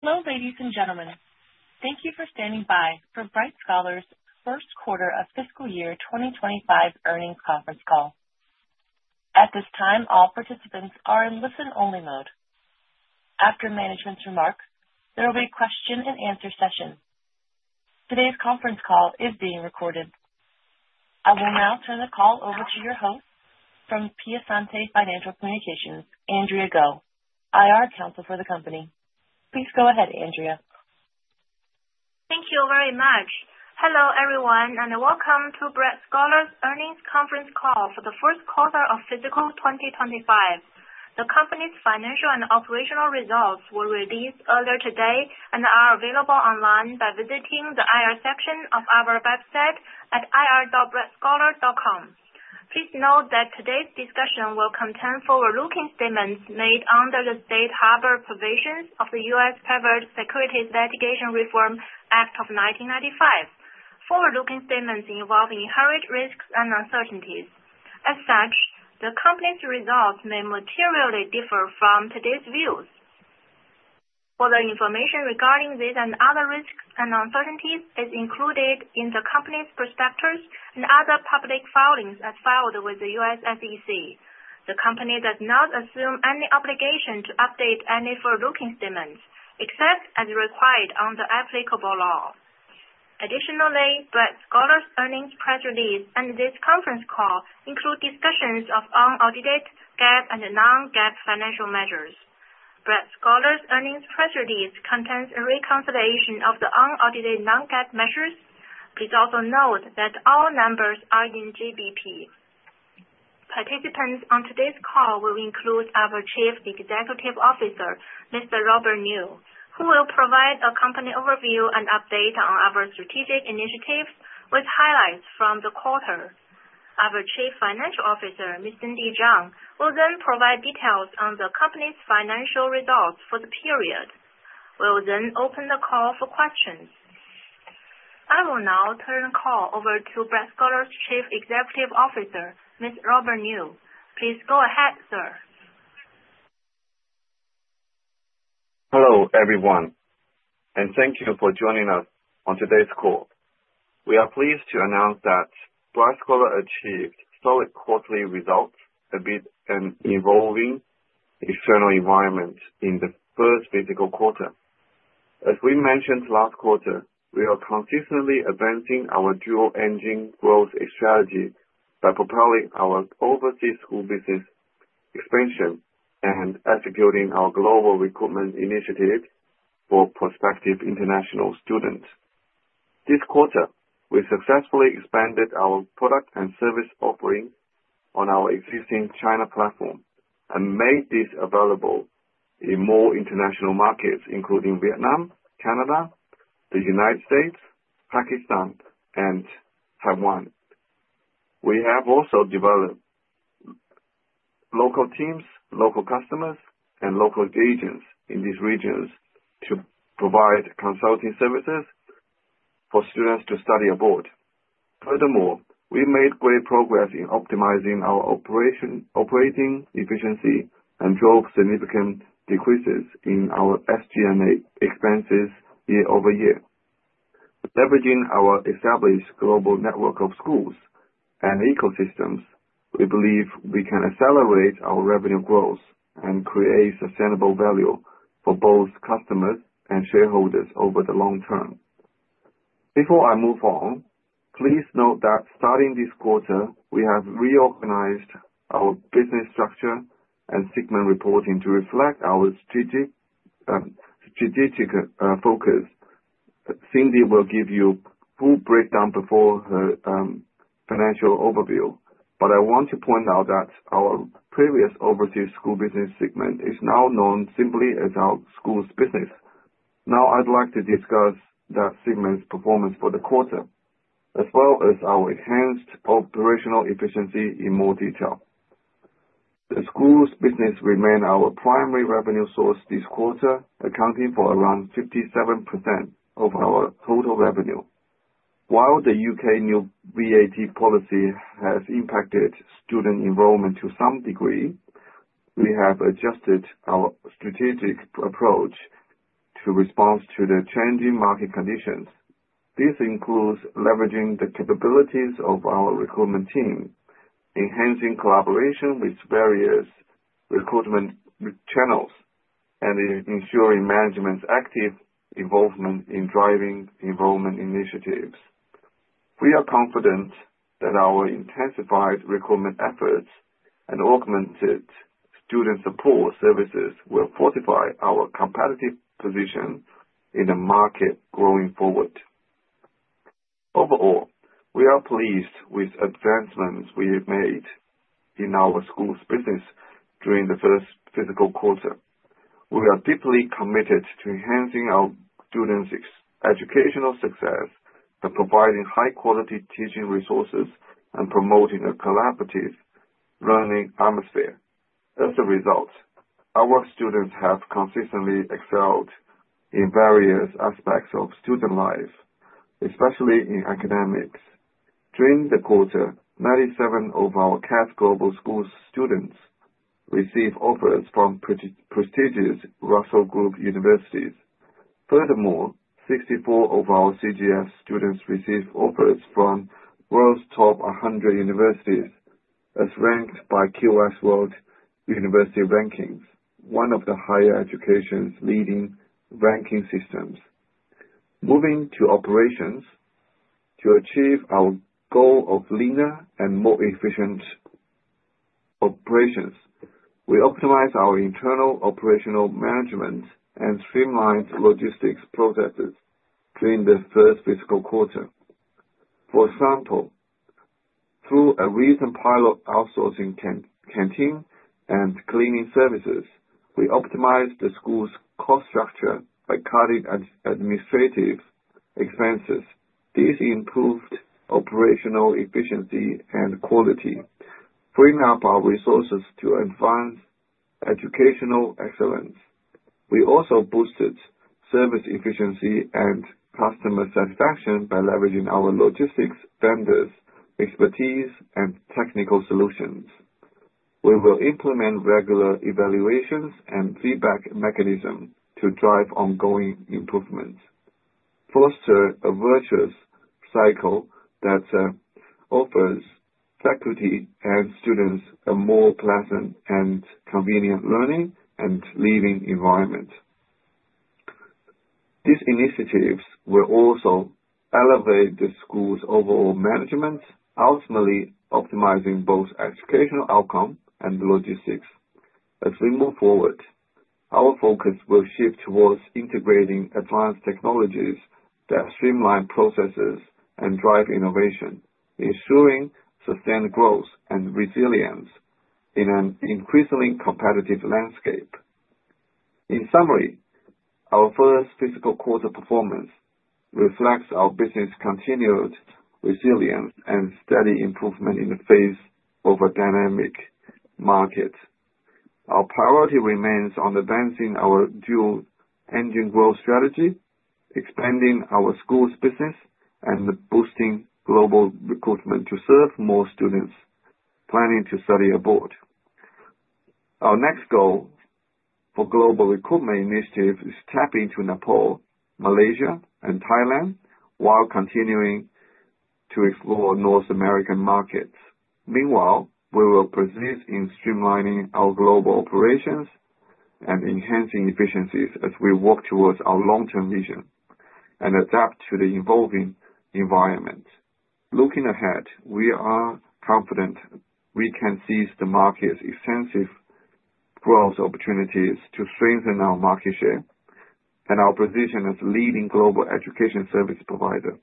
Hello, ladies and gentlemen. Thank you for standing by for Bright Scholar's First Quarter of Fiscal Year 2025 Earnings Conference Call. At this time, all participants are in listen-only mode. After management's remarks, there will be a question-and-answer session. Today's conference call is being recorded. I will now turn the call over to your host from Piacente Financial Communications, Andrea Guo, IR counsel for the company. Please go ahead, Andrea. Thank you very much. Hello, everyone, and welcome to Bright Scholar's Earnings Conference Call for the First Quarter of Fiscal 2025. The company's financial and operational results were released earlier today and are available online by visiting the IR section of our website at ir.brightscholar.com. Please note that today's discussion will contain forward-looking statements made under the Safe Harbor Provisions of the U.S. Private Securities Litigation Reform Act of 1995, forward-looking statements involving inherent risks and uncertainties. As such, the company's results may materially differ from today's views. Further information regarding these and other risks and uncertainties is included in the company's prospectus and other public filings as filed with the U.S. SEC. The company does not assume any obligation to update any forward-looking statements, except as required under applicable law. Additionally, Bright Scholar's earnings press release and this conference call include discussions of unaudited GAAP and non-GAAP financial measures. Bright Scholar's earnings press release contains a reconciliation of the unaudited non-GAAP measures. Please also note that all numbers are in GBP. Participants on today's call will include our Chief Executive Officer, Mr. Robert Niu, who will provide a company overview and update on our strategic initiatives with highlights from the quarter. Our Chief Financial Officer, Ms. Cindy Zhang, will then provide details on the company's financial results for the period. We'll then open the call for questions. I will now turn the call over to Bright Scholar's Chief Executive Officer, Mr. Robert Niu. Please go ahead, sir. Hello, everyone, and thank you for joining us on today's call. We are pleased to announce that Bright Scholar achieved solid quarterly results amid an evolving external environment in the first fiscal quarter. As we mentioned last quarter, we are consistently advancing our dual-engine growth strategy by propelling our overseas school business expansion and executing our global recruitment initiative for prospective international students. This quarter, we successfully expanded our product and service offering on our existing China platform and made this available in more international markets, including Vietnam, Canada, the United States, Pakistan, and Taiwan. We have also developed local teams, local customers, and local agents in these regions to provide consulting services for students to study abroad. Furthermore, we made great progress in optimizing our operating efficiency and drove significant decreases in our SG&A expenses year-over-year. Leveraging our established global network of schools and ecosystems, we believe we can accelerate our revenue growth and create sustainable value for both customers and shareholders over the long term. Before I move on, please note that starting this quarter, we have reorganized our business structure and segment reporting to reflect our strategic focus. Cindy will give you a full breakdown before her financial overview, but I want to point out that our previous overseas school business segment is now known simply as our school's business. Now, I'd like to discuss that segment's performance for the quarter, as well as our enhanced operational efficiency in more detail. The school's business remained our primary revenue source this quarter, accounting for around 57% of our total revenue. While the U.K. new VAT policy has impacted student enrollment to some degree, we have adjusted our strategic approach to respond to the changing market conditions. This includes leveraging the capabilities of our recruitment team, enhancing collaboration with various recruitment channels, and ensuring management's active involvement in driving enrollment initiatives. We are confident that our intensified recruitment efforts and augmented student support services will fortify our competitive position in the market going forward. Overall, we are pleased with advancements we have made in our school's business during the first fiscal quarter. We are deeply committed to enhancing our students' educational success by providing high-quality teaching resources and promoting a collaborative learning atmosphere. As a result, our students have consistently excelled in various aspects of student life, especially in academics. During the quarter, 97 of our CAS Global Schools students received offers from prestigious Russell Group universities. Furthermore, 64 of our CGS students received offers from world's top 100 universities, as ranked by QS World University Rankings, one of the higher education's leading ranking systems. Moving to operations, to achieve our goal of leaner and more efficient operations, we optimized our internal operational management and streamlined logistics processes during the first fiscal quarter. For example, through a recent pilot outsourcing canteen and cleaning services, we optimized the school's cost structure by cutting administrative expenses. This improved operational efficiency and quality, freeing up our resources to advance educational excellence. We also boosted service efficiency and customer satisfaction by leveraging our logistics vendors' expertise and technical solutions. We will implement regular evaluations and feedback mechanisms to drive ongoing improvements, fostering a virtuous cycle that offers faculty and students a more pleasant and convenient learning environment. These initiatives will also elevate the school's overall management, ultimately optimizing both educational outcomes and logistics. As we move forward, our focus will shift towards integrating advanced technologies that streamline processes and drive innovation, ensuring sustained growth and resilience in an increasingly competitive landscape. In summary, our first fiscal quarter performance reflects our business's continued resilience and steady improvement in the face of a dynamic market. Our priority remains on advancing our dual-engine growth strategy, expanding our school's business, and boosting global recruitment to serve more students planning to study abroad. Our next goal for global recruitment initiatives is to tap into Nepal, Malaysia, and Thailand while continuing to explore North American markets. Meanwhile, we will persist in streamlining our global operations and enhancing efficiencies as we work towards our long-term vision and adapt to the evolving environment. Looking ahead, we are confident we can seize the market's extensive growth opportunities to strengthen our market share and our position as a leading global education service provider.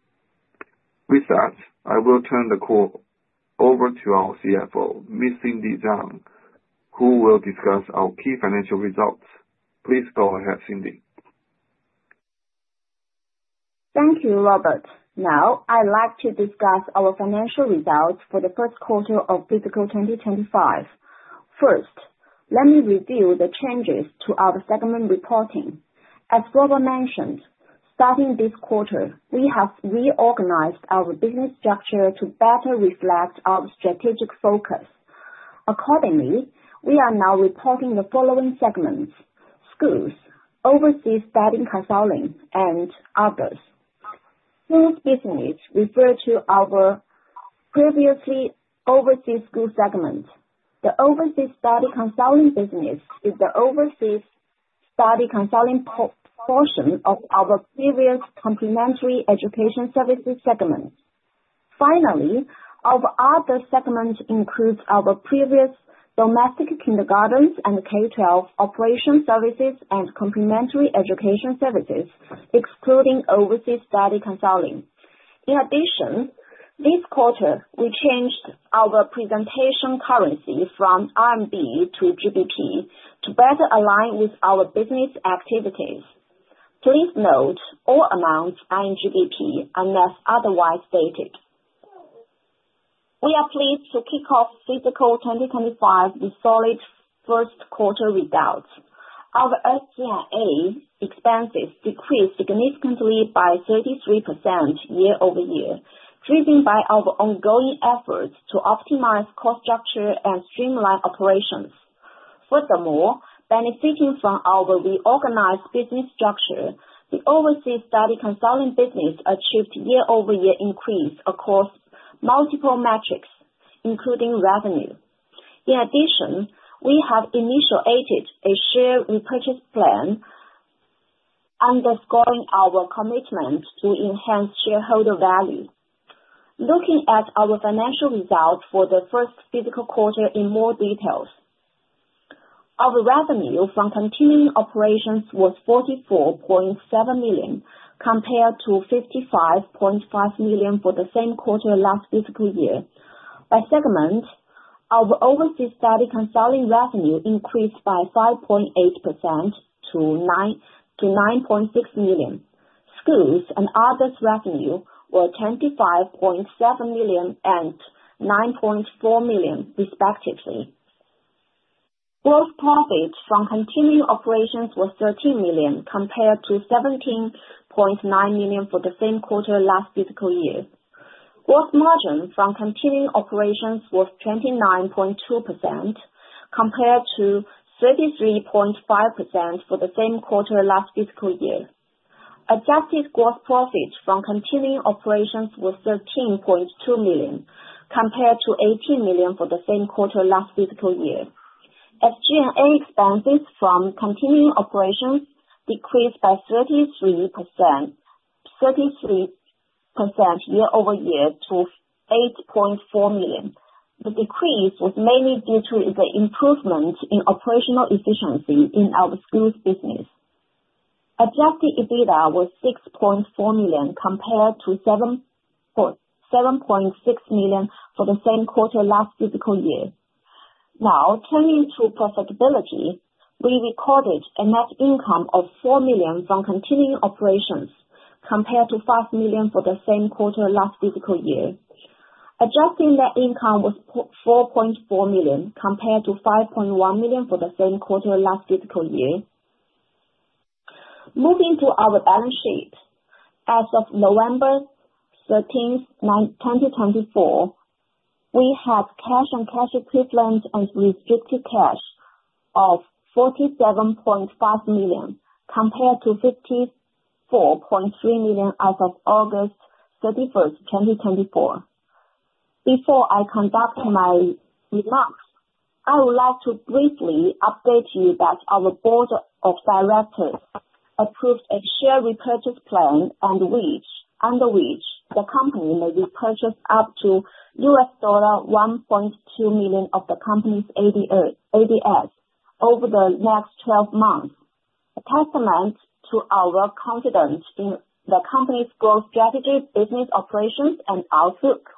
With that, I will turn the call over to our CFO, Ms. Cindy Zhang, who will discuss our key financial results. Please go ahead, Cindy. Thank you, Robert. Now, I'd like to discuss our financial results for the first quarter of fiscal 2025. First, let me review the changes to our segment reporting. As Robert mentioned, starting this quarter, we have reorganized our business structure to better reflect our strategic focus. Accordingly, we are now reporting the following segments: schools, overseas studying consulting, and others. Schools business refers to our previously overseas school segment. The overseas studying consulting business is the overseas studying consulting portion of our previous complementary education services segment. Finally, our other segment includes our previous domestic kindergartens and K-12 operation services and complementary education services, excluding overseas studying consulting. In addition, this quarter, we changed our presentation currency from RMB to GBP to better align with our business activities. Please note all amounts are in GBP unless otherwise stated. We are pleased to kick off fiscal 2025 with solid first quarter results. Our SG&A expenses decreased significantly by 33% year-over-year, driven by our ongoing efforts to optimize cost structure and streamline operations. Furthermore, benefiting from our reorganized business structure, the overseas studying consulting business achieved year-over-year increase across multiple metrics, including revenue. In addition, we have initiated a share repurchase plan, underscoring our commitment to enhance shareholder value. Looking at our financial results for the first fiscal quarter in more detail, our revenue from continuing operations was 44.7 million compared to 55.5 million for the same quarter last fiscal year. By segment, our overseas studying consulting revenue increased by 5.8% to 9.6 million. Schools and others' revenue were 25.7 million and 9.4 million, respectively. Gross profit from continuing operations was 13 million compared to 17.9 million for the same quarter last fiscal year. Gross margin from continuing operations was 29.2% compared to 33.5% for the same quarter last fiscal year. Adjusted gross profit from continuing operations was 13.2 million compared to 18 million for the same quarter last fiscal year. SG&A expenses from continuing operations decreased by 33% year-over-year to GBP 8.4 million. The decrease was mainly due to the improvement in operational efficiency in our schools business. Adjusted EBITDA was GBP 6.4 million compared to 7.6 million for the same quarter last fiscal year. Now, turning to profitability, we recorded a net income of 4 million from continuing operations compared to 5 million for the same quarter last fiscal year. Adjusted net income was 4.4 million compared to 5.1 million for the same quarter last fiscal year. Moving to our balance sheet, as of November 13, 2024, we had cash and cash equivalents and restricted cash of 47.5 million compared to 54.3 million as of August 31st, 2024. Before I conduct my remarks, I would like to briefly update you that our board of directors approved a share repurchase plan under which the company may repurchase up to $1.2 million of the company's ADS over the next 12 months, a testament to our confidence in the company's growth strategy, business operations, and outlook.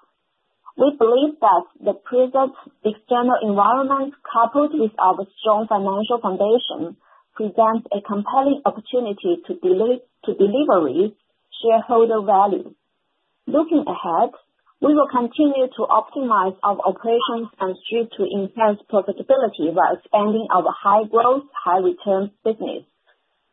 We believe that the present external environment, coupled with our strong financial foundation, presents a compelling opportunity to deliver shareholder value. Looking ahead, we will continue to optimize our operations and strive to enhance profitability while expanding our high-growth, high-return business.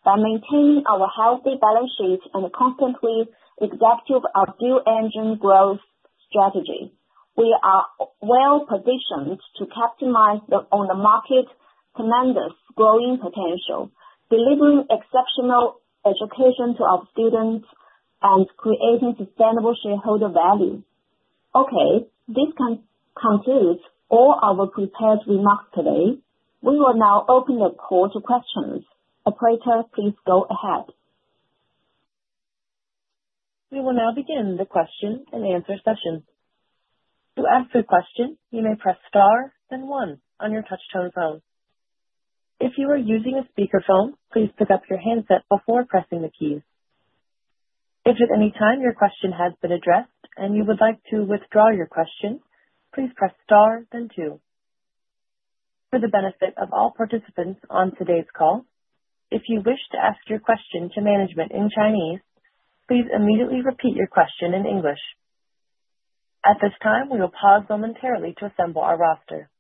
By maintaining our healthy balance sheet and constantly executing our dual-engine growth strategy, we are well-positioned to capitalize on the market's tremendous growing potential, delivering exceptional education to our students and creating sustainable shareholder value. Okay, this concludes all our prepared remarks today. We will now open the call to questions. Operator, please go ahead. We will now begin the question and answer session. To ask a question, you may press star then one on your touch-tone phone. If you are using a speakerphone, please pick up your handset before pressing the keys. If at any time your question has been addressed and you would like to withdraw your question, please press star then two. For the benefit of all participants on today's call, if you wish to ask your question to management in Chinese, please immediately repeat your question in English. At this time, we will pause momentarily to assemble our roster.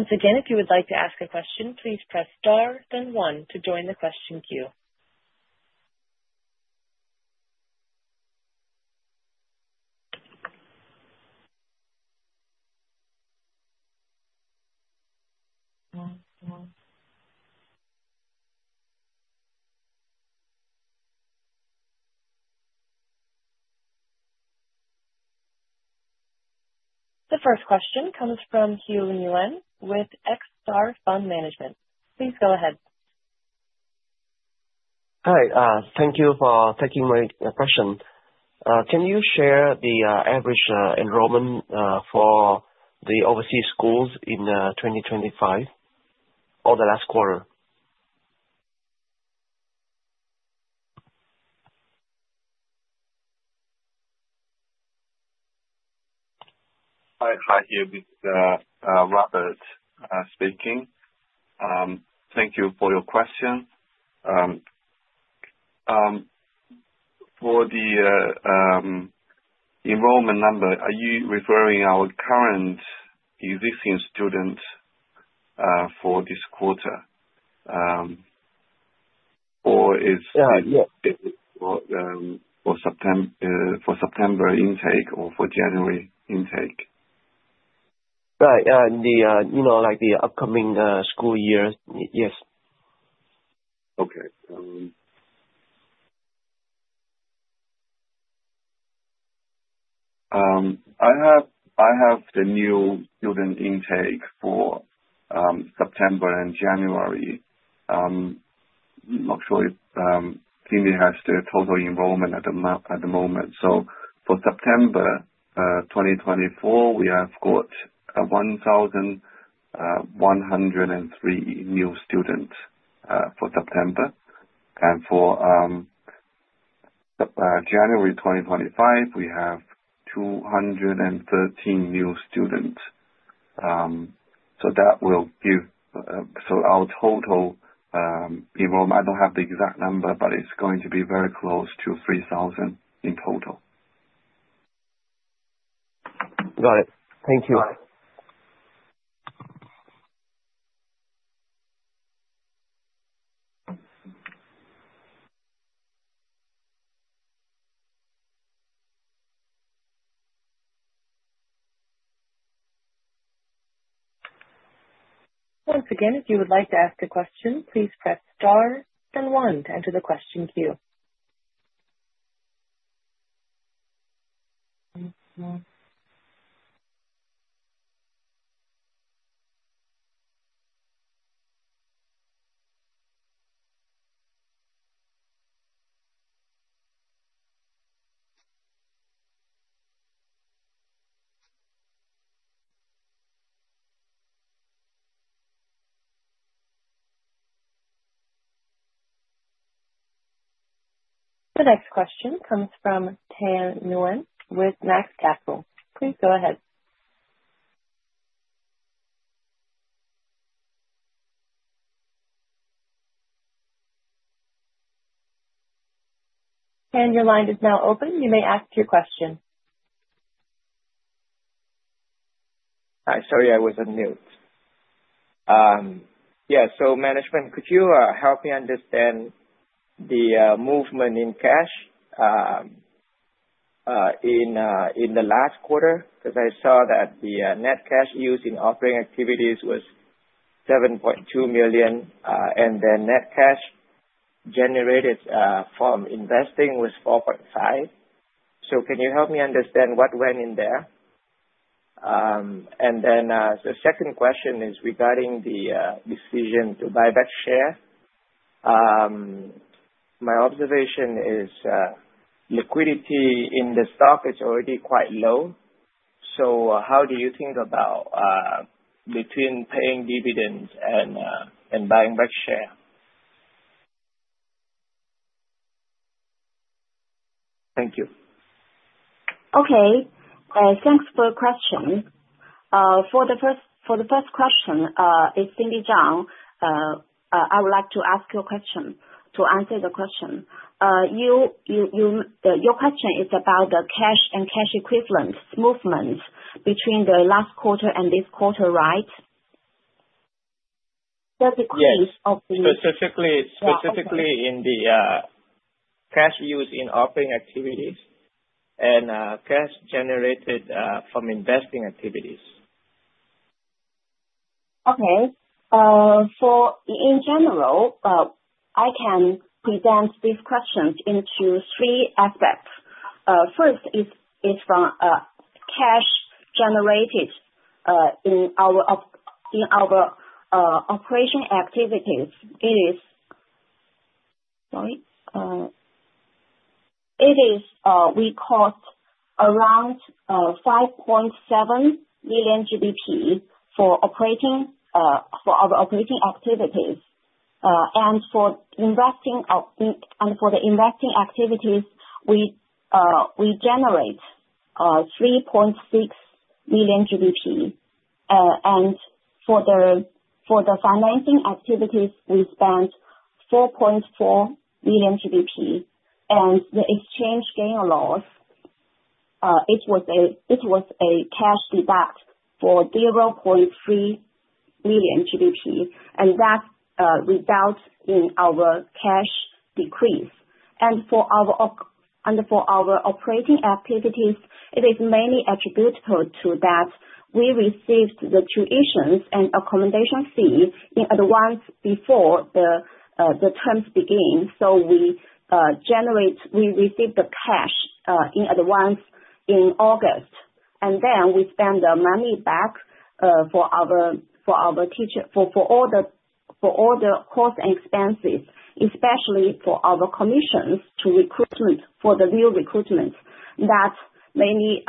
Once again, if you would like to ask a question, please press star then one to join the question queue. The first question comes from Hieu Nguyen with XSTAR Fund Management. Please go ahead. Hi, thank you for taking my question. Can you share the average enrollment for the overseas schools in 2025 or the last quarter? Hi, this is Robert speaking. Thank you for your question. For the enrollment number, are you referring our current existing students for this quarter, or is it for September intake or for January intake? Right, like the upcoming school year, yes. Okay. I have the new student intake for September and January. I'm not sure if Cindy has the total enrollment at the moment. So for September 2024, we have got 1,103 new students for September. And for January 2025, we have 213 new students. So that will give our total enrollment. I don't have the exact number, but it's going to be very close to 3,000 in total. Got it. Thank you. Once again, if you would like to ask a question, please press star then one to enter the question queue. The next question comes from Tan Nguyen with Max Capital. Please go ahead. Tan, your line is now open. You may ask your question. Hi, sorry, I was on mute. Yeah, so management, could you help me understand the movement in cash in the last quarter? Because I saw that the net cash used in operating activities was 7.2 million, and then net cash generated from investing was 4.5 million. So can you help me understand what went in there? And then the second question is regarding the decision to buy back share. My observation is liquidity in the stock is already quite low. So how do you think about between paying dividends and buying back share? Thank you. Okay. Thanks for your question. For the first question, it's Cindy Zhang. I would like to ask you a question to answer the question. Your question is about the cash and cash equivalent movement between the last quarter and this quarter, right? The decrease of the. Yes, specifically in the cash used in operating activities and cash generated from investing activities. Okay. So in general, I can present these questions into three aspects. First is from cash generated in our operation activities. It is, sorry, it is we caught around 5.7 million GBP for our operating activities. And for the investing activities, we generate 3.6 million. And for the financing activities, we spent 4.4 million. And the exchange gain or loss, it was a cash deduct for 0.3 million. And that results in our cash decrease. And for our operating activities, it is mainly attributable to that we received the tuitions and accommodation fee in advance before the terms began. So we received the cash in advance in August. And then we spend the money back for all the cost and expenses, especially for our commissions for the new recruitment. That mainly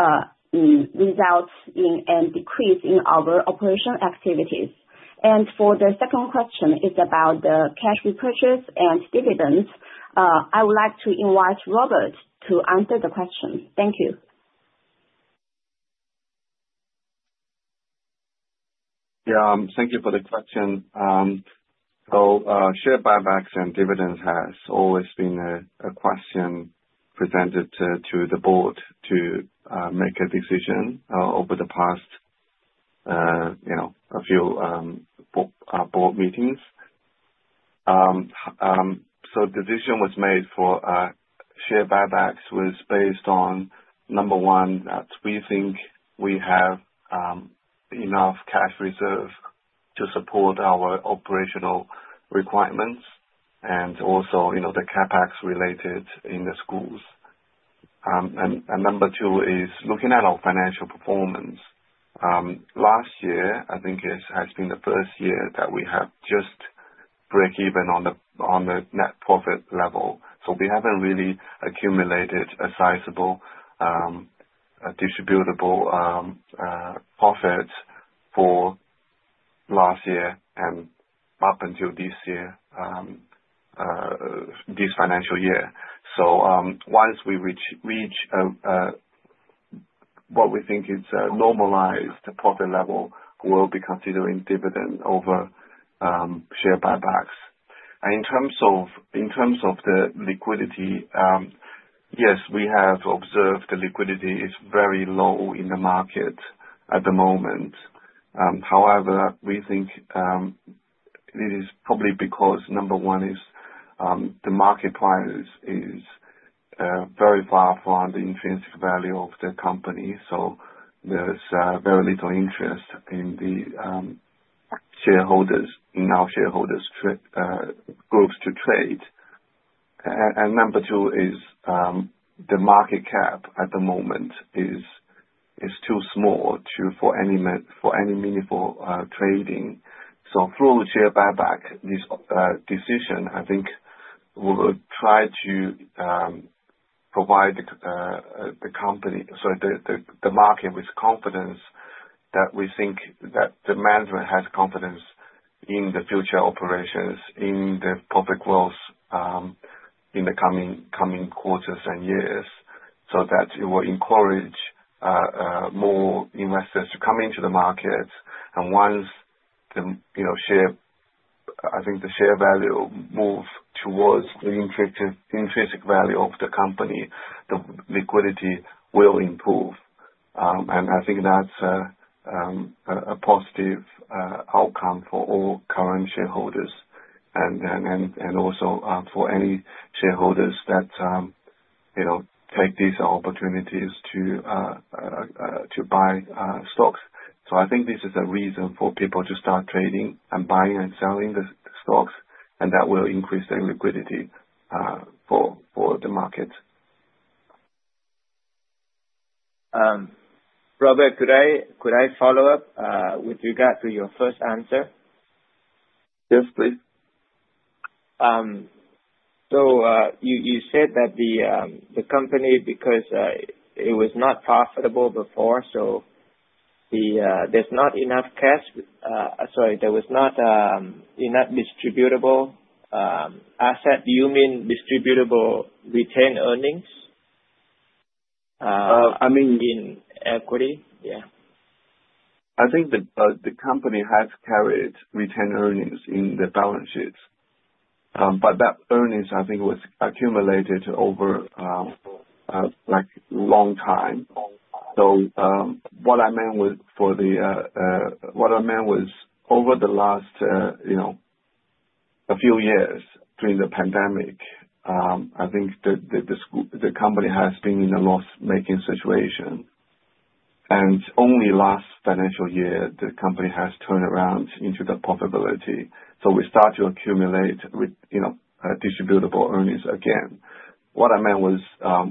results in a decrease in our operation activities. For the second question, it's about the cash repurchase and dividends. I would like to invite Robert to answer the question. Thank you. Yeah, thank you for the question. So share buybacks and dividends has always been a question presented to the board to make a decision over the past few board meetings. So the decision was made for share buybacks was based on, number one, we think we have enough cash reserve to support our operational requirements and also the CapEx related in the schools. And number two is looking at our financial performance. Last year, I think it has been the first year that we have just break-even on the net profit level. So we haven't really accumulated a sizable distributable profit for last year and up until this financial year. So once we reach what we think is a normalized profit level, we'll be considering dividend over share buybacks. In terms of the liquidity, yes, we have observed the liquidity is very low in the market at the moment. However, we think it is probably because, number one, the market price is very far from the intrinsic value of the company. So there's very little interest in the shareholders, in our shareholders' groups to trade. And number two is the market cap at the moment is too small for any meaningful trading. So through the share buyback decision, I think we will try to provide the market with confidence that we think that the management has confidence in the future operations, in the public growth in the coming quarters and years. So that it will encourage more investors to come into the market. And once I think the share value moves towards the intrinsic value of the company, the liquidity will improve. And I think that's a positive outcome for all current shareholders and also for any shareholders that take these opportunities to buy stocks. I think this is a reason for people to start trading and buying and selling the stocks, and that will increase their liquidity for the market. Robert, could I follow up with regard to your first answer? Yes, please. So you said that the company, because it was not profitable before, so there's not enough cash, sorry, there was not enough distributable asset. Do you mean distributable retained earnings? I mean. In equity? Yeah. I think the company has carried retained earnings in the balance sheets. But that earnings, I think, was accumulated over a long time. So what I meant was over the last few years during the pandemic, I think the company has been in a loss-making situation. And only last financial year, the company has turned around into the profitability. So we start to accumulate distributable earnings again. What I meant was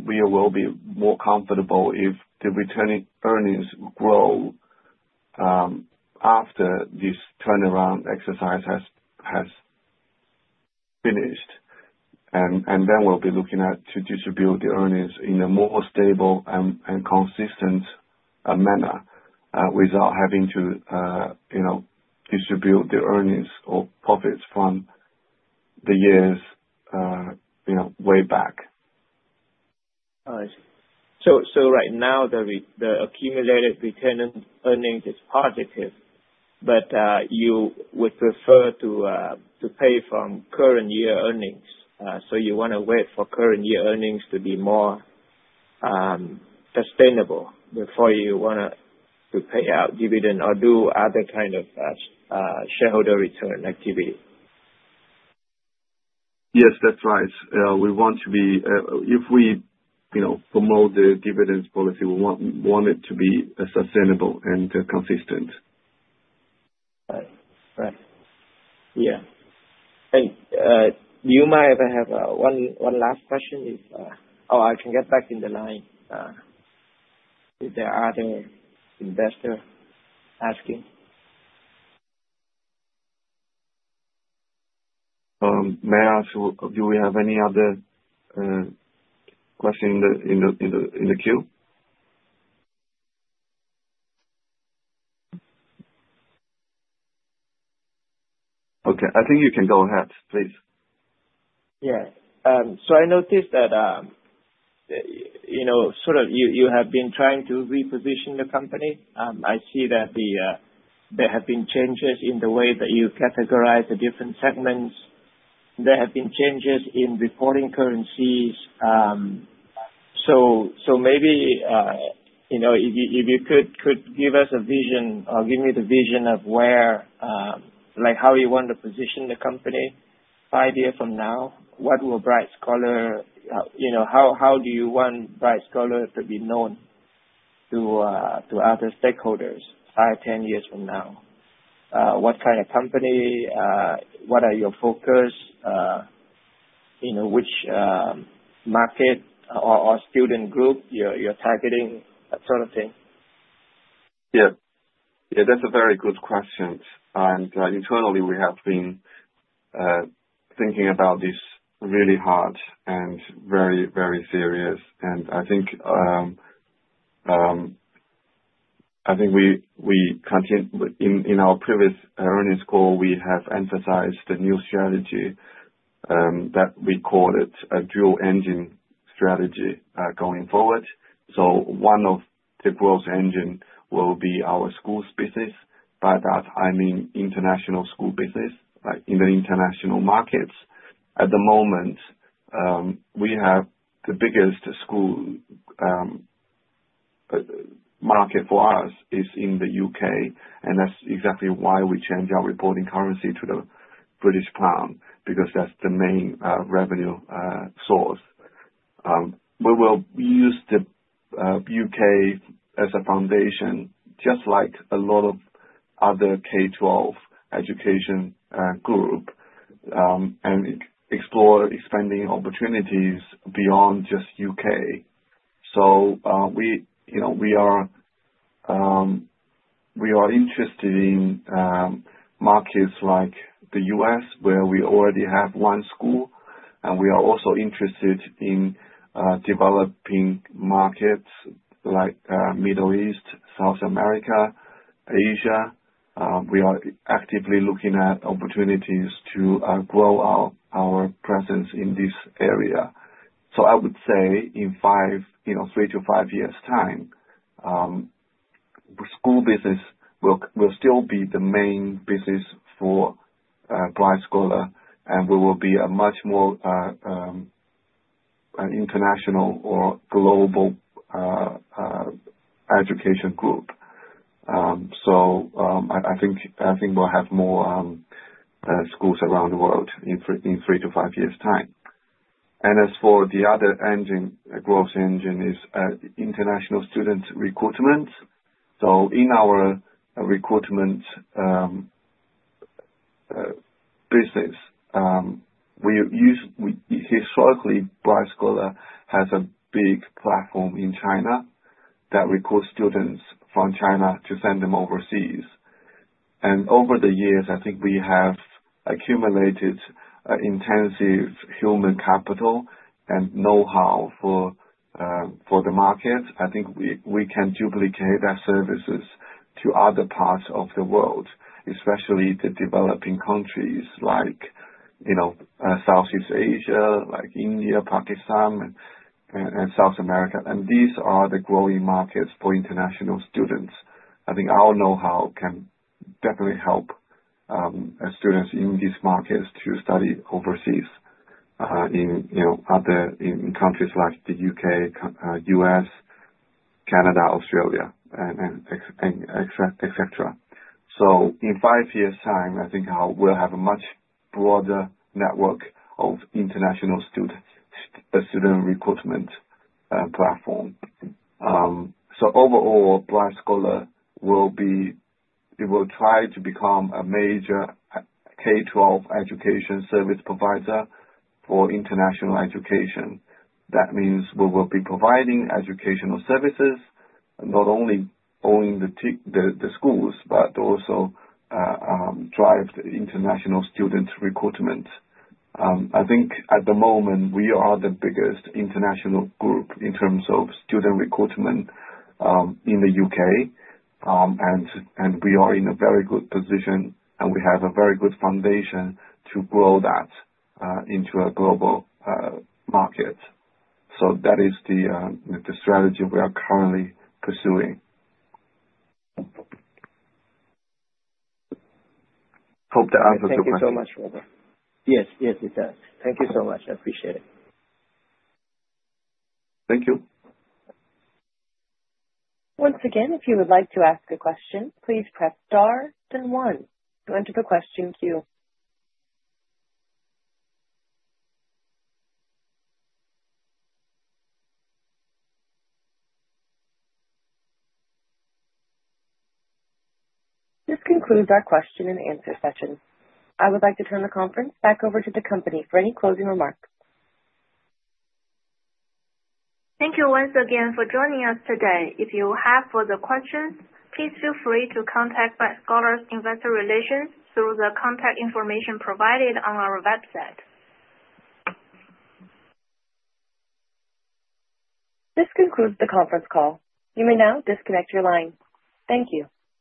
we will be more comfortable if the returning earnings grow after this turnaround exercise has finished. And then we'll be looking at to distribute the earnings in a more stable and consistent manner without having to distribute the earnings or profits from the years way back. All right. So right now, the accumulated retained earnings is positive, but you would prefer to pay from current year earnings. So you want to wait for current year earnings to be more sustainable before you want to pay out dividend or do other kind of shareholder return activity. Yes, that's right. We want to be if we promote the dividends policy, we want it to be sustainable and consistent. Right, right. Yeah, and you might have one last question. Oh, I can get back in the line. Is there another investor asking? May I ask, do we have any other question in the queue? Okay. I think you can go ahead, please. Yeah. So I noticed that sort of you have been trying to reposition the company. I see that there have been changes in the way that you categorize the different segments. There have been changes in reporting currencies. So maybe if you could give us a vision or give me the vision of how you want to position the company five years from now, what will Bright Scholar how do you want Bright Scholar to be known to other stakeholders five, 10 years from now? What kind of company? What are your focus? Which market or student group you're targeting? That sort of thing. Yeah. Yeah, that's a very good question, and internally, we have been thinking about this really hard and very, very serious, and I think we continue in our previous earnings call, we have emphasized the new strategy that we call it a dual engine strategy going forward, so one of the growth engines will be our schools business. By that, I mean international school business in the international markets. At the moment, we have the biggest school market for us is in the U.K. And that's exactly why we changed our reporting currency to the British pound, because that's the main revenue source. We will use the U.K. as a foundation, just like a lot of other K-12 education group, and explore expanding opportunities beyond just U.K., so we are interested in markets like the U.S., where we already have one school. And we are also interested in developing markets like Middle East, South America, Asia. We are actively looking at opportunities to grow our presence in this area. So I would say in three to five years' time, school business will still be the main business for Bright Scholar, and we will be a much more international or global education group. So I think we'll have more schools around the world in three to five years' time. And as for the other engine, the growth engine is international student recruitment. So in our recruitment business, historically, Bright Scholar has a big platform in China that recruits students from China to send them overseas. And over the years, I think we have accumulated intensive human capital and know-how for the market. I think we can duplicate that services to other parts of the world, especially the developing countries like Southeast Asia, like India, Pakistan, and South America, and these are the growing markets for international students. I think our know-how can definitely help students in these markets to study overseas in countries like the U.K., U.S., Canada, Australia, etc., so in five years' time, I think we'll have a much broader network of international student recruitment platform, so overall, Bright Scholar will try to become a major K-12 education service provider for international education. That means we will be providing educational services, not only owning the schools, but also drive the international student recruitment. I think at the moment, we are the biggest international group in terms of student recruitment in the U.K. And we are in a very good position, and we have a very good foundation to grow that into a global market. So that is the strategy we are currently pursuing. Hope that answers your question. Thank you so much, Robert. Yes, yes, it does. Thank you so much. I appreciate it. Thank you. Once again, if you would like to ask a question, please press star then one. To enter the question queue. This concludes our question and answer session. I would like to turn the conference back over to the company for any closing remarks. Thank you once again for joining us today. If you have further questions, please feel free to contact Bright Scholar's investor relations through the contact information provided on our website. This concludes the conference call. You may now disconnect your line. Thank you.